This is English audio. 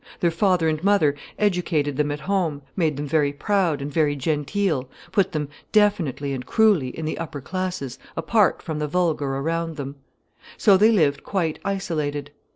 Their father and mother educated them at home, made them very proud and very genteel, put them definitely and cruelly in the upper classes, apart from the vulgar around them. So they lived quite isolated.